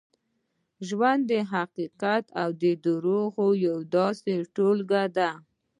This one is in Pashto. ژوند د حقیقت او درواغو یوه داسې ټولګه ده.